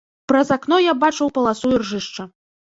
Праз акно я бачыў паласу іржышча.